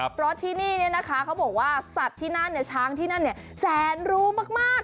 เพราะที่นี่นะคะเขาบอกว่าสัตว์ที่นั่นช้างที่นั่นแสนรู้มาก